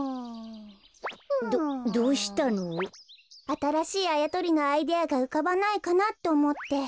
あたらしいあやとりのアイデアがうかばないかなっておもって。